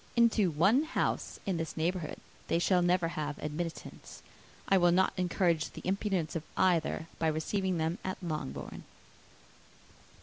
Into one house in this neighbourhood they shall never have admittance. I will not encourage the imprudence of either, by receiving them at Longbourn."